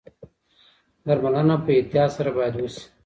درملنه په احتیاط سره باید وشي.